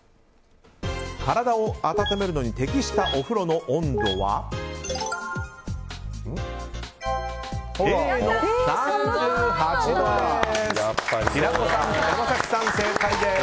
体を温めるのに適したお風呂の温度はＡの３８度です。